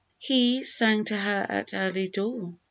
He sang to her at early dawn.